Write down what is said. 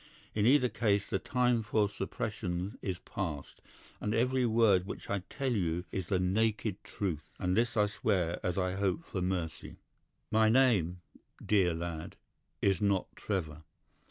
In either case the time for suppression is past, and every word which I tell you is the naked truth, and this I swear as I hope for mercy. "'My name, dear lad, is not Trevor.